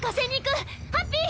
ハッピー！